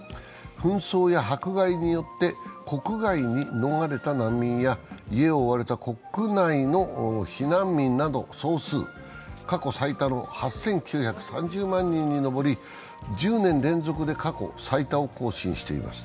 紛争や迫害によって国外に逃れた難民や家を追われた国内の避難民など総数、過去最多の８９３０万人に上り、１０年連続で過去最多を更新しています。